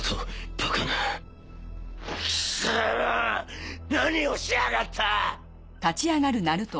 貴様何をしやがった！